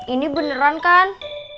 ini beneran kan